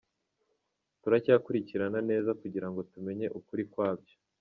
Turacyakurikirana neza kugira ngo tumenye ukuri kwabyo.